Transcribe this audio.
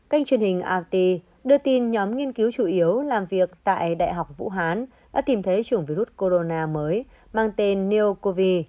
kênh truyền hình it đưa tin nhóm nghiên cứu chủ yếu làm việc tại đại học vũ hán đã tìm thấy chủng virus corona mới mang tên nicov